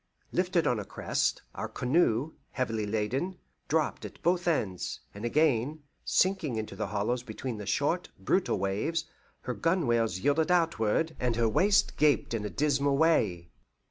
Lifted on a crest, our canoe, heavily laden, dropped at both ends; and again, sinking into the hollows between the short, brutal waves, her gunwales yielded outward, and her waist gaped in a dismal way.